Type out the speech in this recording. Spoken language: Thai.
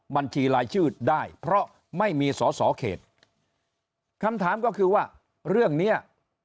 บัญชีรายชื่อได้เพราะไม่มีสอสอเขตคำถามก็คือว่าเรื่องเนี้ย